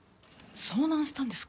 遭難したんですか？